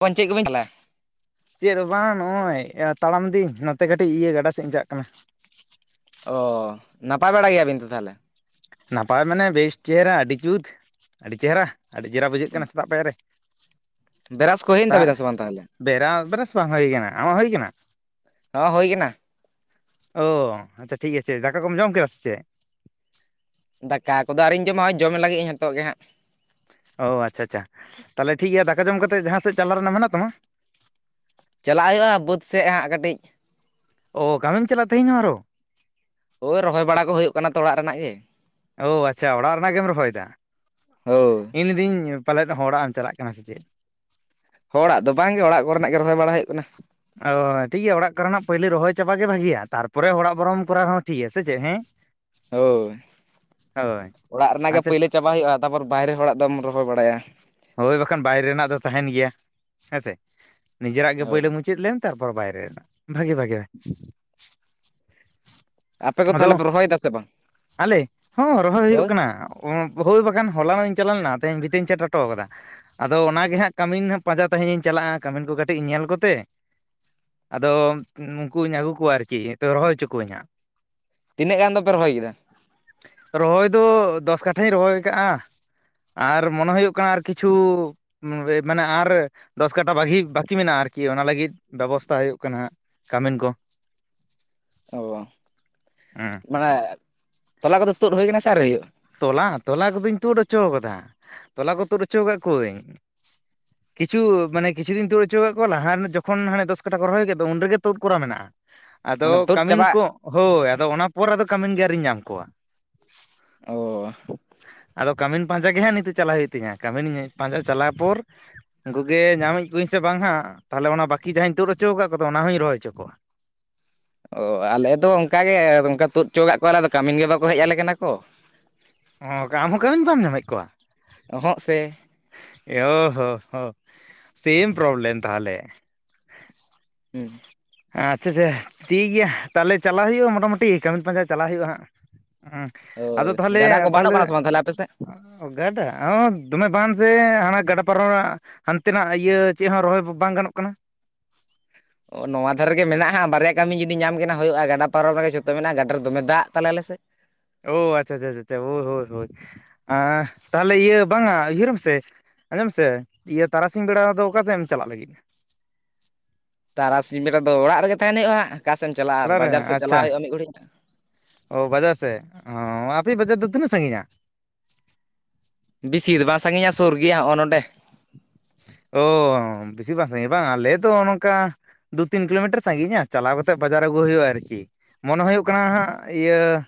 ᱚ ᱪᱮᱫ ᱜᱮᱵᱮᱱ ᱪᱟᱞᱟ ᱪᱮᱫ ᱦᱚᱸ ᱵᱟᱝ ᱱᱚᱜᱼᱚᱭ ᱛᱟᱲᱟᱢ ᱫᱟᱹᱧ, ᱱᱚᱛᱮ ᱠᱟᱹᱴᱤᱡ ᱤᱭᱟᱹ ᱜᱟᱰᱟ ᱥᱮᱫ ᱤᱧ ᱪᱟᱜ ᱠᱟᱱᱟ ᱾ ᱚᱻ ᱱᱟᱯᱟᱭ ᱵᱟᱲᱟ ᱜᱮᱭᱟᱵᱤᱱ ᱛᱚ ᱛᱟᱦᱞᱮ? ᱱᱟᱯᱟᱭ ᱢᱟᱱᱮ ᱵᱮᱥ ᱪᱮᱦᱨᱟ, ᱟᱹᱰᱤ ᱡᱩᱛ, ᱟᱹᱰᱤ ᱪᱮᱦᱨᱟ, ᱟᱹᱰᱤ ᱪᱮᱦᱨᱟ ᱵᱩᱡᱷᱟᱹᱜ ᱠᱟᱱᱟ ᱥᱮᱛᱟᱜ ᱯᱟᱭᱟᱨ ᱨᱮ ᱾ ᱵᱮᱨᱟᱥ ᱠᱚ ᱦᱩᱭᱮᱱ ᱛᱟᱵᱮᱱᱟ ᱥᱮ ᱵᱟᱝ ᱛᱟᱦᱞᱮ? ᱵᱮᱨᱟᱥ ᱵᱮᱨᱟᱥ ᱵᱟᱝ ᱦᱩᱭ ᱠᱟᱱᱟ᱾ ᱟᱢᱟᱜ ᱦᱩᱭ ᱠᱟᱱᱟ? ᱚ ᱦᱩᱭ ᱟᱠᱟᱱᱟ᱾ ᱚᱻ ᱟᱪᱪᱷᱟ ᱴᱷᱤᱠ ᱟᱪᱷᱮ, ᱫᱟᱠᱟ ᱠᱚᱢ ᱡᱚᱢ ᱠᱮᱫᱟ ᱥᱮ ᱪᱮᱫ? ᱫᱟᱠᱟ ᱠᱚᱫᱚ ᱟᱣᱨᱤᱧ ᱡᱚᱢᱟ, ᱦᱚᱸᱜᱼᱚᱭ ᱡᱚᱢ ᱞᱟᱹᱜᱤᱫ ᱤᱧ ᱱᱤᱛᱚᱜ ᱜᱮ ᱦᱟᱸᱜ ᱾ ᱚ ᱟᱪᱪᱷᱟ ᱟᱪᱪᱷᱟ ᱛᱟᱦᱚᱞᱮ ᱴᱷᱤᱠ ᱜᱮᱭᱟ᱾ ᱫᱟᱠᱟ ᱡᱚᱢ ᱠᱟᱛᱮᱫ ᱡᱟᱦᱟᱸ ᱥᱮᱫ ᱪᱟᱞᱟᱜ ᱨᱮᱱᱟᱜ ᱢᱮᱱᱟᱜ ᱛᱟᱢᱟ? ᱪᱟᱞᱟᱜ ᱦᱩᱭᱩᱜᱼᱟ, ᱵᱟᱹᱫᱽ ᱥᱮᱡ ᱦᱟᱸᱜ ᱠᱟᱹᱴᱤᱡ ᱾ ᱚ ᱠᱟᱹᱢᱤᱢ ᱪᱟᱞᱟᱜ ᱛᱮᱦᱮᱧ ᱦᱚᱸ ᱟᱨᱦᱚᱸ? ᱦᱳᱭ ᱨᱚᱦᱚᱭ ᱵᱟᱲᱟ ᱠᱚ ᱦᱩᱭᱩᱜ ᱠᱟᱱᱟ ᱛᱚ, ᱚᱲᱟᱜ ᱨᱮᱱᱟᱜ ᱜᱮ ᱾ ᱚᱸ, ᱟᱪᱪᱷᱟ ᱚᱲᱟᱜ ᱨᱮᱱᱟᱜ ᱜᱮᱢ ᱨᱚᱦᱚᱭᱮᱫᱟ ᱦᱳᱭ ᱤᱧ ᱞᱤᱭᱫᱤᱧ ᱯᱟᱞᱮᱫ ᱦᱚᱲᱟᱜ ᱮᱢ ᱪᱟᱞᱟᱜ ᱠᱟᱱᱟ ᱥᱮ ᱪᱮᱫ? ᱦᱚᱲᱟᱜ ᱫᱚ ᱵᱟᱝ ᱜᱮ ᱚᱲᱟᱜ ᱠᱚᱨᱮᱱᱟᱜ ᱜᱮ ᱨᱚᱦᱚᱭ ᱵᱟᱲᱟ ᱦᱩᱭᱩᱜ ᱠᱟᱱᱟ ᱾ ᱚ ᱴᱷᱤᱠ ᱜᱮᱭᱟ᱾ ᱚᱲᱟᱜ ᱠᱚᱨᱮᱱᱟᱜ ᱯᱩᱭᱞᱳ ᱨᱚᱦᱚᱭ ᱪᱟᱵᱟ ᱜᱮ ᱵᱷᱟᱜᱤᱭᱟ, ᱛᱟᱨᱯᱚᱨᱮ ᱦᱚᱲᱟᱜ ᱵᱚᱨᱚᱢ ᱠᱚᱨᱟᱣ ᱨᱮᱦᱚᱸ ᱴᱷᱤᱠ ᱜᱮᱭᱟ ᱥᱮ ᱪᱮᱫ ᱦᱮᱸ? ᱦᱳᱭ, ᱦᱳᱭ ᱚᱲᱟᱜ ᱨᱮᱱᱟᱜ ᱜᱮ ᱟᱪᱪᱷᱟ ᱯᱳᱭᱞᱳ ᱪᱟᱵᱟ ᱦᱩᱭᱩᱜᱼᱟ᱾ ᱛᱟᱨᱯᱚᱨ ᱵᱟᱭᱨᱮ ᱦᱚᱲᱟᱜ ᱫᱚᱢ ᱨᱚᱦᱚᱭ ᱵᱟᱲᱟᱭᱟ ᱾ ᱦᱳᱭ ᱵᱟᱠᱷᱟᱱ ᱵᱟᱭᱨᱮ ᱨᱮᱱᱟᱜ ᱫᱚ ᱛᱟᱦᱮᱱ ᱜᱮᱭᱟ᱾ ᱦᱮᱸᱥᱮ ᱱᱤᱡᱮᱨᱟᱜ ᱜᱮ ᱯᱳᱭᱞᱳ ᱦᱳᱭ ᱢᱩᱪᱟᱹᱫ ᱞᱮᱢ ᱾ ᱛᱟᱨᱯᱚᱨ ᱵᱟᱭᱨᱮ ᱨᱮᱱᱟᱜ ᱵᱷᱟᱹᱜᱤ ᱵᱷᱟᱹᱜᱤ ᱟᱯᱮ ᱠᱚ ᱟᱫᱚ ᱛᱟᱦᱚᱞᱮ ᱯᱮ ᱨᱚᱦᱚᱭᱮᱫᱟ ᱥᱮ ᱵᱟᱝ ᱟᱞᱮ ᱦᱚᱸ ᱨᱚᱦᱚᱭ ᱦᱩᱭᱩᱜ ᱦᱳᱭ ᱠᱟᱱᱟ ᱾ ᱚ ᱦᱳᱭ ᱵᱟᱠᱷᱟᱱ ᱦᱚᱞᱟ ᱱᱚᱜ ᱤᱧ ᱪᱟᱞᱟᱣ ᱞᱮᱱᱟ, ᱛᱮᱦᱮᱧ ᱵᱷᱤᱛᱟᱹᱧ ᱪᱟᱴᱟᱠ ᱴᱚ ᱠᱟᱫᱟ ᱟᱫᱚ ᱚᱱᱟᱜ ᱜᱮ ᱦᱟᱸᱜ ᱦᱚᱴᱚᱣ ᱠᱟᱫᱟ ᱟᱫᱚ ᱚᱱᱟᱜᱮ ᱱᱟᱜ ᱠᱟᱢᱤᱱ ᱯᱟᱸᱡᱟ ᱛᱮᱦᱤᱧᱤᱧ ᱪᱟᱞᱟᱜᱼᱟ᱾ ᱠᱟᱹᱢᱤᱱ ᱠᱚ ᱠᱟᱹᱴᱤᱡ ᱧᱮᱞ ᱠᱚᱛᱮ ᱟᱫᱚ ᱩᱱᱠᱩᱧ ᱟᱹᱜᱩ ᱠᱚᱣᱟ ᱟᱨᱠᱤ, ᱱᱤᱛᱳᱜ ᱨᱚᱦᱚᱭ ᱪᱚ ᱠᱩᱣᱟᱹᱧ ᱦᱟᱸᱜ ᱾ ᱛᱤᱱᱟᱹᱜ ᱜᱟᱱ ᱫᱚᱯᱮ ᱨᱚᱦᱚᱭ ᱠᱮᱫᱟ? ᱨᱚᱦᱚᱭ ᱫᱚ ᱫᱚᱥ ᱠᱟᱴᱷᱟᱧ ᱨᱚᱦᱚᱭ ᱠᱟᱜᱼᱟ ᱟᱨ ᱢᱚᱱᱮ ᱦᱩᱭᱩᱜ ᱠᱟᱱᱟ ᱟᱨ ᱠᱤᱪᱷᱩ ᱢᱟᱱᱮ ᱟᱨ ᱫᱚᱥ ᱠᱟᱴᱷᱟ ᱵᱟᱜᱷᱤ ᱵᱟᱠᱤ ᱢᱮᱱᱟᱜᱼᱟ ᱟᱨᱠᱤ ᱚᱱᱟ ᱞᱟᱹᱜᱤᱫ ᱾ ᱵᱮᱵᱚᱥᱛᱷᱟ ᱦᱩᱭᱩᱜ ᱠᱟᱱᱟ ᱠᱟᱹᱢᱤᱱ ᱠᱚ ᱾ ᱚ ᱢᱟᱱᱮ ᱛᱚᱞᱟ ᱠᱚᱫᱚ ᱛᱩᱫ ᱦᱩᱭ ᱠᱟᱱᱟ ᱥᱮ ᱟᱣᱨᱤ ᱦᱩᱭᱩᱜᱼᱟ? ᱛᱚᱞᱟ ᱛᱚᱞᱟ ᱠᱚᱫᱩᱧ ᱛᱩᱫ ᱦᱚᱪᱚ ᱠᱟᱫᱟ ᱛᱚᱞᱟ ᱠᱚ ᱛᱩᱫ ᱦᱚᱪᱚ ᱠᱟᱫ ᱠᱩᱣᱟᱹᱧ ᱾ ᱠᱤᱪᱷᱩ ᱢᱟᱱᱮ ᱠᱤᱪᱷᱩ ᱫᱩᱧ ᱛᱩᱫ ᱦᱚᱪᱚ ᱟᱠᱟᱫ ᱠᱚᱣᱟ ᱞᱟᱦᱟ ᱨᱮ ᱡᱚᱠᱷᱚᱱ ᱦᱟᱱᱮ ᱫᱚᱥ ᱠᱟᱴᱷᱟ ᱠᱚ ᱨᱚᱦᱚᱭ ᱠᱮᱫ ᱫᱚ ᱩᱱ ᱨᱮᱜᱮ ᱛᱩᱫ ᱠᱚᱨᱟ ᱢᱮᱱᱟᱜᱼᱟ ᱾ ᱟᱫᱚ ᱢᱟᱱᱮ ᱛᱩᱫ ᱠᱟᱹᱢᱤᱱ ᱪᱟᱵᱟᱜ ᱠᱚ ᱦᱳᱭ ᱟᱫᱚ ᱚᱱᱟ ᱯᱚᱨ ᱟᱫᱚ ᱠᱟᱹᱢᱤᱱ ᱜᱮ ᱟᱣᱨᱤᱧ ᱧᱟᱢ ᱠᱚᱣᱟ ᱾ ᱚ ᱾ ᱟᱫᱚ ᱠᱟᱹᱢᱤᱱ ᱯᱟᱸᱡᱟ ᱜᱮ ᱦᱟᱸᱜ ᱱᱤᱛᱳᱜ ᱪᱟᱞᱟᱜ ᱦᱩᱭᱩᱜ ᱛᱤᱧᱟ ᱠᱟᱹᱢᱤᱱ ᱯᱟᱸᱡᱟ ᱪᱟᱞᱟᱣ ᱯᱚᱨ ᱩᱱᱠᱩ ᱜᱮ ᱧᱟᱢᱮᱫ ᱠᱩᱣᱟᱹᱧ ᱥᱮ ᱵᱟᱝ ᱦᱟᱸᱜ ᱛᱟᱦᱚᱞᱮ ᱚᱱᱟ ᱵᱟᱠᱤ ᱡᱟᱦᱟᱧ ᱛᱩᱫ ᱦᱚᱪᱚ ᱠᱟᱫ ᱠᱚᱫᱚ ᱚᱱᱟ ᱦᱚᱧ ᱨᱚᱦᱚᱭ ᱪᱚ ᱠᱚᱣᱟ ᱾ ᱚ ᱟᱞᱮ ᱫᱚ ᱚᱝᱠᱟᱜᱮ ᱚᱱᱠᱟ ᱛᱩᱫ ᱫᱚ ᱠᱟᱜ ᱠᱚᱣᱟᱞᱮ ᱟᱫᱚ ᱠᱟᱹᱢᱤᱱ ᱜᱮ ᱵᱟᱠᱚ ᱦᱮᱡ ᱟᱞᱮ ᱠᱟᱱᱟ ᱠᱚ ᱾ ᱚ ᱟᱢᱦᱚᱸ ᱠᱟᱹᱢᱤᱱ ᱵᱟᱢ ᱧᱟᱢᱮᱫ ᱠᱚᱣᱟ? ᱚᱸᱦᱚᱜ ᱥᱮ ᱾ [inaudible] ᱦᱚ ᱦᱚ ᱥᱮᱢ ᱯᱨᱳᱵᱞᱮᱢ ᱛᱟᱦᱚᱞᱮ ᱾ [unintelligible] ᱟᱪᱪᱷᱟ ᱪᱷᱟ ᱴᱷᱤᱠ ᱜᱮᱭᱟ ᱛᱟᱦᱚᱞᱮ ᱪᱟᱞᱟᱣ ᱦᱩᱭᱩᱜᱼᱟ ᱢᱚᱴᱟᱢᱩᱴᱤ ᱠᱟᱹᱢᱤᱱ ᱯᱟᱸᱡᱟ ᱪᱟᱞᱟᱣ ᱦᱩᱭᱩᱜᱼᱟ ᱦᱟᱸᱜ, ᱟᱫᱚ ᱦᱳᱭ ᱜᱟᱰᱟ ᱛᱟᱦᱚᱞᱮ ᱠᱚ ᱵᱟᱱᱚᱜ ᱠᱟᱱᱟ ᱥᱮ ᱵᱟᱝ ᱛᱟᱦᱚᱞᱮ ᱟᱯᱮ ᱥᱮᱫ? ᱚ ᱜᱟᱰᱟ ᱦᱚᱻ ᱫᱚᱢᱮ ᱵᱟᱱ ᱥᱮ ᱦᱟᱱᱮ ᱜᱟᱰᱟ ᱯᱟᱨᱚᱢ [unintelligible] ᱦᱟᱱᱛᱮ ᱱᱟᱜ ᱤᱭᱟᱹ ᱪᱮᱫ ᱦᱚᱸ ᱨᱚᱦᱚᱭ ᱵᱟᱝ ᱜᱟᱱᱚᱜ ᱠᱟᱱᱟ᱾ ᱚ ᱱᱚᱣᱟ ᱫᱷᱟᱨᱮ ᱜᱮ ᱢᱮᱱᱟᱜᱼᱟ ᱦᱟᱸᱜ ᱵᱟᱨᱭᱟ ᱠᱟᱹᱢᱤ ᱡᱩᱫᱤ ᱧᱟᱢ ᱜᱮ ᱱᱟ ᱦᱩᱭᱩᱜᱼᱟ ᱜᱟᱰᱟ ᱯᱟᱨᱚᱢ ᱨᱮᱜᱮ ᱡᱷᱚᱛᱚ ᱢᱮᱱᱟᱜᱼᱟ, ᱜᱟᱰᱟ ᱨᱮ ᱫᱚᱢᱮ ᱫᱟᱜ ᱛᱟᱞᱮ ᱟᱞᱮ ᱥᱮᱫ, ᱳ ᱟᱪᱪᱷᱟ ᱟᱪᱪᱷᱟ ᱟᱪᱪᱷᱟ ᱦᱳᱭ ᱦᱳᱭ ᱦᱳᱭ ᱟᱸ ᱛᱟᱦᱚᱞᱮ ᱤᱭᱟᱹ ᱵᱟᱝᱼᱟ ᱩᱭᱦᱟᱹᱨ ᱢᱮᱥᱮ, ᱟᱸᱡᱚᱢ ᱢᱮᱥᱮ ᱤᱭᱟᱹ ᱛᱟᱨᱟᱥᱤᱧ ᱵᱮᱲᱟ ᱫᱚ ᱚᱠᱟ ᱛᱮᱢ ᱪᱟᱞᱟᱜ ᱞᱟᱹᱜᱤᱫ? ᱛᱟᱨᱟᱥᱤᱧ ᱵᱮᱲᱟ ᱫᱚ ᱚᱲᱟᱜ ᱨᱮᱜᱮ ᱛᱟᱦᱮᱱ ᱦᱩᱭᱩᱜᱼᱟ ᱦᱟᱸᱜ, ᱚᱠᱟ ᱥᱮᱫ ᱪᱟᱞᱟᱜᱼᱟ ᱟᱨ ᱚᱲᱟᱜ ᱨᱮ ᱵᱟᱡᱟᱨ ᱥᱮᱫ ᱟᱪᱪᱷᱟ ᱾ ᱪᱟᱞᱟᱜ ᱦᱩᱭᱩᱜᱼᱟ ᱢᱤᱫ ᱜᱷᱟᱹᱲᱤᱡ ᱚ ᱵᱟᱡᱟᱨ ᱥᱮᱫ ᱚ ᱟᱯᱮᱭᱟᱜ ᱵᱟᱡᱟᱨ ᱫᱚ ᱛᱤᱱᱟᱹᱜ ᱥᱟᱺᱜᱤᱧᱼᱟ? ᱵᱮᱥᱤ ᱫᱚ ᱵᱟᱝ ᱥᱟᱺᱜᱤᱧᱼᱟ ᱥᱩᱨ ᱜᱮᱭᱟ ᱦᱚᱜᱼᱚ ᱱᱚᱰᱮ᱾ ᱳᱻ ᱵᱤᱥᱤ ᱵᱟᱝ ᱥᱟᱺᱜᱤᱧᱼᱟ ᱵᱟᱝ ᱟᱞᱮ ᱫᱚ ᱱᱚᱜᱼᱚ ᱱᱚᱝᱠᱟ ᱫᱩ ᱛᱤᱱ ᱠᱤᱞᱳ ᱢᱤᱴᱟᱨ ᱥᱟᱺᱜᱤᱧᱼᱟ ᱪᱟᱞᱟᱣ ᱠᱟᱛᱮᱫ ᱵᱟᱡᱟᱨ ᱟᱹᱜᱩ ᱦᱩᱭᱩᱜᱼᱟ ᱟᱨᱠᱤ ᱾ ᱢᱚᱱᱮ ᱦᱩᱭᱩᱜ ᱠᱟᱱᱟ ᱦᱟᱸᱜ ᱤᱭᱟᱹ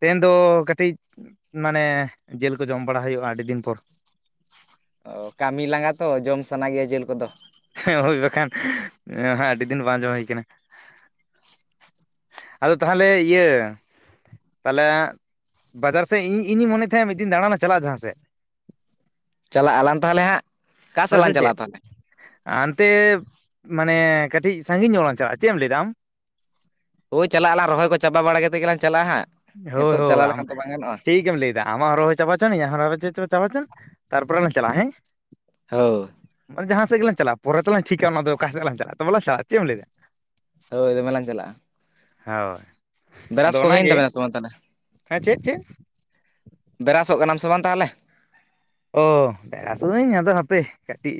ᱛᱮᱦᱮᱱ ᱫᱚ ᱠᱟᱹᱴᱤᱡ ᱢᱟᱱᱮ ᱡᱮᱞ ᱠᱚ ᱡᱚᱢ ᱵᱟᱲᱟ ᱦᱩᱭᱩᱜᱼᱟ ᱟᱹᱰᱤ ᱫᱤᱱ ᱯᱚᱨ᱾ ᱚ ᱠᱟᱹᱢᱤ ᱞᱟᱸᱜᱟ ᱛᱚ ᱡᱚᱢ ᱥᱟᱱᱟ ᱜᱮᱭᱟ ᱡᱮᱞ ᱠᱚᱫᱚ ᱾ [unintelligible] ᱦᱳᱭ ᱵᱟᱠᱷᱟᱱ ᱟᱹᱰᱤ ᱮ ᱦᱮᱸ ᱟᱹᱰᱤ ᱫᱤᱱ ᱵᱟᱝ ᱡᱚᱢ ᱦᱩᱭ ᱠᱟᱱᱟ᱾ ᱟᱫᱚ ᱛᱟᱦᱚᱞᱮ ᱤᱭᱟᱹ ᱛᱟᱦᱚᱞᱮ ᱵᱟᱡᱟᱨ ᱥᱮᱫ ᱤᱧ ᱤᱧᱤᱧ ᱢᱚᱱᱮᱭᱮᱫ ᱛᱟᱸᱦᱮᱫ ᱢᱤᱫ ᱫᱤᱱ ᱫᱟᱬᱟᱱ ᱞᱟᱝ ᱪᱟᱞᱟᱜᱼᱟ ᱡᱟᱦᱟᱸ ᱥᱮᱫ᱾ ᱪᱟᱞᱟᱜ ᱟᱞᱟᱝ ᱛᱟᱦᱞᱮ ᱦᱟᱸᱜ᱾ ᱚᱠᱟ ᱥᱮᱫ ᱦᱳᱭ ᱥᱮ ᱞᱟᱝ ᱪᱮᱫ ᱪᱟᱞᱟᱜᱼᱟ ᱛᱟᱦᱚᱞᱮ ᱦᱟᱱᱛᱮ ᱢᱟᱱᱮ ᱠᱟᱹᱴᱤᱡ ᱥᱟᱺᱜᱤᱧ ᱧᱚᱜ ᱞᱟᱝ ᱪᱟᱞᱟᱜᱼᱟ, ᱪᱮᱫ ᱮᱢ ᱞᱟᱹᱭᱮᱫᱟ ᱟᱢ? ᱦᱳᱭ ᱪᱟᱞᱟᱜ ᱟᱞᱟᱝ ᱨᱚᱦᱚᱭ ᱠᱚ ᱪᱟᱵᱟ ᱵᱟᱲᱟ ᱠᱟᱛᱮᱫ ᱜᱮ ᱞᱟᱝ ᱪᱟᱞᱟᱜᱼᱟ ᱦᱟᱸᱜ᱾ ᱦᱳᱭ ᱱᱤᱛᱚᱜ ᱦᱳᱭ ᱪᱟᱞᱟᱣ ᱟᱢ ᱞᱮᱠᱷᱟᱱ ᱛᱚ ᱵᱟᱝ ᱜᱟᱱᱚᱜᱼᱟ ᱴᱷᱤᱠ ᱮᱢ ᱞᱟᱹᱭ ᱫᱟ᱾ ᱟᱢᱟᱜ ᱦᱚᱸ ᱨᱚᱦᱚᱭ ᱪᱟᱵᱟ ᱦᱚᱪᱚᱱᱤᱡ ᱤᱧᱟᱜ [unintelligible] ᱪᱟᱵᱟ ᱦᱚᱪᱚᱱ ᱛᱟᱨ ᱯᱚᱨᱮ ᱞᱟᱝ ᱪᱟᱞᱟᱜᱼᱟ ᱦᱮᱸ᱾ [unintelligible] ᱢᱟᱱᱮ ᱡᱟᱦᱟᱸ ᱥᱮᱫ ᱜᱮᱞᱟᱝ ᱪᱟᱞᱟᱜ ᱯᱚᱨᱮ ᱛᱮᱞᱟᱝ ᱴᱷᱤᱠᱟ ᱚᱱᱟ ᱫᱚ ᱚᱠᱟ ᱥᱮᱫ ᱞᱟᱝ ᱪᱟᱞᱟᱜᱼᱟ, ᱛᱚᱵᱮ ᱞᱟᱝ ᱪᱟᱞᱟᱜᱼᱟ, ᱪᱮᱫ ᱮᱢ ᱞᱟᱹᱭ ᱮᱫᱟ? ᱦᱳᱭ ᱫᱚᱢᱮ ᱞᱟᱝ ᱪᱟᱞᱟᱜᱼᱟ᱾ ᱦᱳᱭ᱾ ᱟᱫᱚ ᱵᱮᱨᱟᱥ ᱠᱚ ᱦᱩᱭ ᱮᱱ ᱚᱱᱟᱜᱮ ᱛᱟᱵᱮᱱᱟ ᱥᱮ ᱵᱟᱝ ᱛᱟᱦᱚᱞᱮ‍? ᱦᱮᱸ ᱪᱮᱫ ᱪᱮᱫ, ᱵᱮᱨᱟᱥᱚᱜ ᱠᱟᱱᱟᱢ ᱥᱮ ᱵᱟᱝ ᱛᱟᱦᱚᱞᱮ? ᱚ ᱵᱮᱨᱟᱥᱚᱜ ᱤᱧ ᱟᱫᱚ ᱦᱟᱯᱮ ᱠᱟᱹᱴᱤᱡ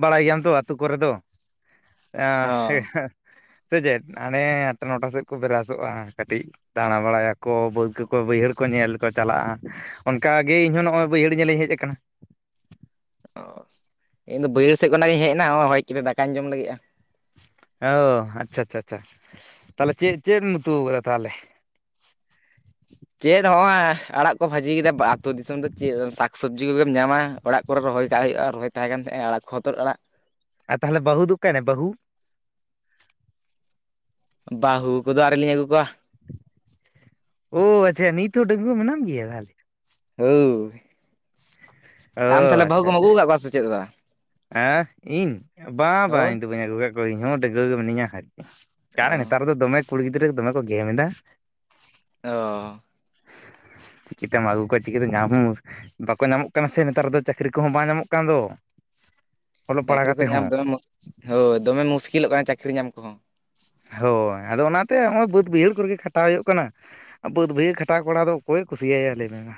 ᱵᱟᱲᱟᱭ ᱜᱮᱭᱟᱢ ᱛᱚ ᱟᱛᱳ ᱠᱚᱨᱮ ᱫᱚ ᱾ [unintelligible] ᱚ ᱥᱮ ᱪᱮᱫ ᱦᱟᱱᱮ ᱟᱴᱴᱟ ᱱᱚᱴᱟ ᱥᱮᱫ ᱠᱚ ᱵᱮᱨᱟᱥᱚᱜᱼᱟ, ᱠᱟᱹᱴᱤᱡ ᱫᱟᱬᱟ ᱵᱟᱲᱟᱭᱟᱠᱚ ᱵᱟᱹᱫᱽ ᱠᱚᱠᱚ ᱵᱟᱹᱭᱦᱟᱹᱲ ᱠᱚ ᱧᱮᱞ ᱠᱚ ᱪᱟᱞᱟᱜᱼᱟ ᱚᱱᱠᱟ ᱜᱮ ᱤᱧ ᱦᱚᱸ ᱱᱚᱜᱼᱚᱭ ᱵᱟᱹᱭᱦᱟᱹᱲ ᱧᱮᱞ ᱤᱧ ᱦᱮᱡ ᱟᱠᱟᱱᱟ ᱾ ᱚ, ᱤᱧ ᱫᱚ ᱵᱟᱹᱭᱦᱟᱹᱲ ᱥᱮᱫ ᱠᱷᱚᱱᱟᱜ ᱜᱮᱧ ᱦᱮᱡ ᱮᱱᱟ ᱦᱚᱜᱼᱚᱭ ᱦᱮᱡ ᱠᱟᱛᱮᱫ ᱫᱟᱠᱟᱧ ᱡᱚᱢ ᱞᱟᱹᱜᱤᱫᱼᱟ ᱾ ᱚ ᱟᱪᱪᱷᱟ ᱟᱪᱪᱷᱟ ᱟᱪᱪᱷᱟ, ᱛᱟᱦᱚᱞᱮ ᱪᱮᱫ ᱪᱮᱫ ᱮᱢ ᱩᱛᱩ ᱟᱠᱟᱫᱟ ᱛᱟᱦᱚᱞᱮ? ᱪᱮᱫ ᱦᱚᱶᱟ ᱟᱲᱟᱜ ᱠᱚ ᱵᱷᱟᱡᱤ ᱟᱠᱟᱫᱟ ᱟᱛᱳ ᱫᱤᱥᱚᱢ ᱫᱚ ᱪᱮᱫ ᱥᱟᱠ ᱥᱚᱵᱽᱡᱤ ᱠᱚᱜᱮᱢ ᱧᱟᱢᱟ ᱚᱲᱟᱜ ᱠᱚᱨᱮ ᱨᱚᱦᱚᱭ ᱠᱟᱜ ᱦᱩᱭᱩᱜᱼᱟ ᱨᱚᱦᱚᱭ ᱛᱟᱦᱮᱸ ᱠᱟᱱ ᱛᱟᱦᱮᱸᱜᱼᱟ ᱟᱲᱟᱜ ᱦᱚᱛᱚᱫ ᱟᱲᱟᱜ ᱾ ᱟᱨ ᱛᱟᱦᱚᱞᱮ ᱵᱟᱹᱦᱩ ᱫᱚ ᱚᱠᱚᱭ ᱱᱟᱭ ᱵᱟᱹᱦᱩ? ᱵᱟᱹᱦᱩ ᱠᱚᱫᱚ ᱟᱣᱨᱤ ᱞᱤᱧ ᱟᱹᱜᱩ ᱠᱚᱣᱟ ᱾ ᱳ ᱟᱪᱪᱷᱟ ᱱᱤᱛ ᱦᱚᱸ ᱰᱟᱺᱜᱩᱣᱟᱹ ᱢᱮᱱᱟᱢ ᱜᱮᱭᱟ ᱛᱟᱦᱚᱞᱮ? ᱦᱟᱹᱳᱭ ᱾ ᱚ ᱟᱢ ᱛᱟᱦᱚᱞᱮ ᱵᱟᱹᱦᱩ ᱟᱪᱪᱷᱟ ᱠᱚᱢ ᱟᱹᱜᱩ ᱟᱪᱪᱷᱟ ᱟᱠᱟᱫ ᱠᱚᱣᱟ ᱥᱮ ᱪᱮᱫ? [unintelligible] ᱦᱮᱸ ᱤᱧ ᱵᱟᱝ ᱵᱟᱝ ᱦᱳᱭ ᱤᱧ ᱫᱚ ᱵᱟᱹᱧ ᱟᱹᱜᱩ ᱟᱠᱟᱫ ᱠᱚᱣᱟ ᱤᱧ ᱦᱚᱸ ᱰᱟᱺᱜᱟᱹᱣᱟᱹ ᱜᱮ ᱢᱤᱱᱟᱹᱧᱟ ᱚᱠᱟ ᱨᱮ ᱚ ᱱᱮᱛᱟᱨ ᱫᱚᱢᱮ ᱠᱩᱲᱤ ᱜᱤᱫᱽᱨᱟᱹ ᱫᱚᱢᱮ ᱠᱚ ᱜᱷᱮᱢ ᱮᱫᱟ ᱾ [inaudible] ᱚ ᱪᱤᱠᱟᱹ ᱛᱮᱢ ᱟᱹᱜᱩ ᱠᱚᱣᱟ ᱪᱤᱠᱟᱹ ᱛᱮ ᱧᱟᱢ ᱦᱚᱸ ᱢᱩᱥ ᱵᱟᱠᱚ ᱧᱟᱢᱚᱜ ᱠᱟᱱᱟ ᱥᱮ ᱱᱮᱛᱟᱨ ᱫᱚ ᱪᱟᱹᱠᱨᱤ ᱠᱚᱦᱚᱸ ᱵᱟᱝ ᱧᱟᱢᱚᱜ ᱠᱟᱱ ᱫᱚ ᱾ ᱪᱟᱹᱠᱨᱤ ᱠᱚ ᱧᱟᱢ ᱫᱚᱢᱮ ᱢᱳᱥ ᱦᱳᱭ ᱫᱚᱢᱮ ᱢᱩᱥᱠᱤᱞᱚᱜ ᱠᱟᱱᱟ ᱪᱟᱹᱠᱨᱤ ᱧᱟᱢ ᱠᱚᱦᱚᱸ ᱾ ᱦᱳᱭ ᱟᱫᱚ ᱚᱱᱟ ᱛᱮ ᱦᱚᱜᱼᱚᱭ ᱵᱟᱹᱫᱽ ᱵᱟᱹᱭᱦᱟᱹᱲ ᱠᱚᱨᱮ ᱜᱮ ᱠᱷᱟᱴᱟᱣ ᱦᱩᱭᱩᱜ ᱠᱟᱱᱟ ᱾ ᱵᱟᱹᱫᱽ ᱵᱟᱹᱭᱦᱟᱹᱲ ᱠᱷᱟᱴᱟᱜ ᱠᱚᱲᱟ ᱫᱚ ᱚᱠᱚᱭ ᱠᱩᱥᱤᱭᱟᱭᱟ ᱞᱟᱹᱭ ᱢᱮ ᱢᱟ?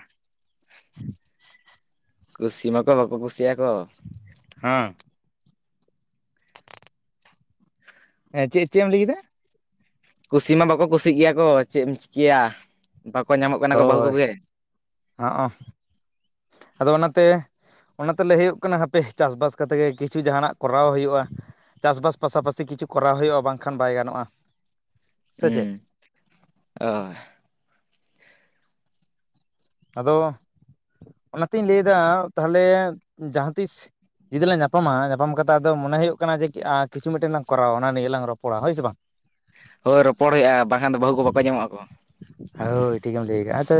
ᱠᱩᱥᱤ ᱢᱟ ᱠᱚ ᱵᱟᱠᱚ ᱠᱩᱥᱤᱭᱟᱠᱚ ᱾ ᱦᱮᱸ, ᱦᱮᱸ ᱪᱮᱫ ᱪᱮᱫ ᱮᱢ ᱞᱟᱹᱭ ᱠᱮᱫᱟ? ᱠᱩᱥᱤ ᱢᱟ ᱵᱟᱠᱚ ᱠᱩᱥᱤᱜ ᱜᱮᱭᱟ ᱠᱚ, ᱪᱮᱫ ᱮᱢ ᱪᱤᱠᱟᱹᱭᱟ᱾ ᱵᱟᱠᱚ ᱧᱟᱢᱚᱜ ᱠᱟ ᱦᱳᱭ, ᱦᱚᱸᱜ-ᱚᱸ᱾ ᱟᱫᱚ ᱚᱱᱟᱛᱮ ᱚᱱᱟ ᱛᱮ ᱞᱟᱹᱭ ᱦᱩᱭᱩᱜ ᱠᱟᱱᱟ ᱦᱟᱯᱮ ᱪᱟᱥᱼᱵᱟᱥ ᱠᱟᱛᱮ ᱜᱮ ᱠᱤᱪᱷᱩ ᱡᱟᱦᱟᱸᱱᱟᱜ ᱠᱚᱨᱟᱣ ᱦᱩᱭᱩᱜᱼᱟ ᱾ ᱪᱟᱥᱼᱵᱟᱥ ᱯᱟᱥᱟᱼᱯᱟᱥᱤ ᱠᱤᱪᱷᱩ ᱠᱚᱨᱟᱣ ᱦᱩᱭᱩᱜᱼᱟ, ᱵᱟᱝᱠᱷᱟᱱ ᱵᱟᱭ ᱜᱟᱱᱚᱜᱼᱟ᱾ ᱥᱮ ᱪᱮᱫ ᱩᱸᱻ, [unintelligible] ᱟᱫᱚ ᱚᱱᱟ ᱛᱤᱧ ᱞᱟᱹᱭ ᱫᱟ ᱛᱟᱦᱞᱮ ᱡᱟᱦᱟ ᱛᱤᱥ ᱡᱩᱫᱤ ᱞᱟᱝ ᱧᱟᱯᱟᱢᱟ, ᱧᱟᱯᱟᱢ ᱠᱟᱛᱮ ᱟᱫᱚ ᱢᱚᱱᱮ ᱦᱩᱭᱩᱜ ᱠᱟᱱᱟ ᱡᱮ ᱠᱤᱪᱷᱩ ᱢᱤᱫᱴᱟᱹᱱ ᱞᱟᱝ ᱠᱚᱨᱟᱣᱟ ᱾ ᱚᱱᱟ ᱱᱤᱭᱟᱹ ᱞᱟᱝ ᱨᱚᱯᱚᱲᱟ ᱦᱳᱭ ᱥᱮ ᱵᱟᱝ? ᱦᱳᱭ ᱨᱚᱯᱚᱲ ᱦᱩᱭᱩᱜᱼᱟ ᱵᱟᱝᱠᱷᱟᱱ ᱫᱚ ᱵᱟᱦᱩ ᱠᱚ ᱵᱟᱠᱚ ᱧᱟᱢᱚᱜᱼᱟ ᱠᱚ᱾ ᱦᱳᱭ ᱴᱷᱤᱠᱮᱢ ᱞᱟᱹᱭ ᱠᱟᱜ-ᱟ ᱟᱪᱪᱷᱟ